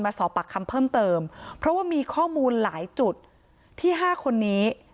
สอบปากคำเพิ่มเติมเพราะว่ามีข้อมูลหลายจุดที่๕คนนี้